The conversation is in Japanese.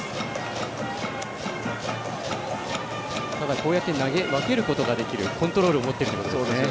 こうやって投げ分けることができるコントロールを持ってるということですよね。